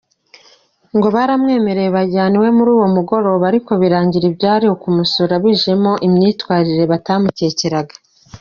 Ngo baramwemereye bajyana iwe muri uwo mugoroba ariko birangira ibyari ukumusura bijemo imyitwarire batamukekeraga.